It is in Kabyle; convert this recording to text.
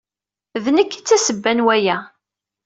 D nekk ay d tasebba n waya.